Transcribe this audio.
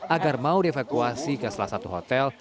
agar mau dievakuasi ke salah satu hotel